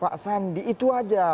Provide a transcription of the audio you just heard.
pak sandi itu aja